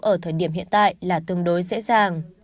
ở thời điểm hiện tại là tương đối dễ dàng